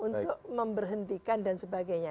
untuk memberhentikan dan sebagainya